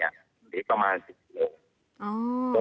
เรียกว่าประมาณ๑๐โลเมตร